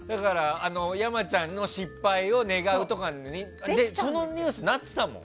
山ちゃんの失敗を願うとかそのニュースになってたもん。